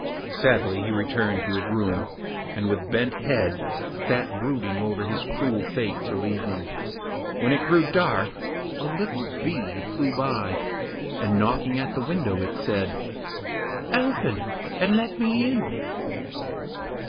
Sadly he returned to his room, and with bent head sat brooding over his cruel fate till evening. When it grew dark, a little bee flew by, and knocking at the window, it said, 'Open, and let me in.